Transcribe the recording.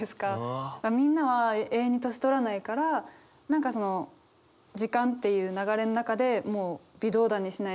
みんなは永遠に年取らないから何かその時間っていう流れの中で微動だにしない